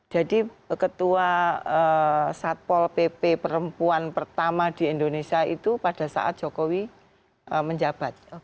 jadi ketua satpol pp perempuan pertama di indonesia itu pada saat jokowi menjabat